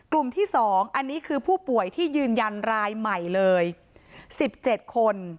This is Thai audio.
ที่๒อันนี้คือผู้ป่วยที่ยืนยันรายใหม่เลย๑๗คน